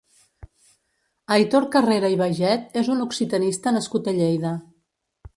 Aitor Carrera i Baiget és un occitanista nascut a Lleida.